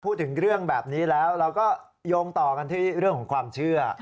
พูดถึงเรื่องแบบนี้แล้วเราก็โยงต่อกันที่เรื่องของความเชื่อ